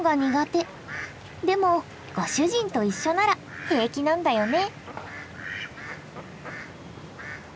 でもご主人と一緒なら平気なんだよね。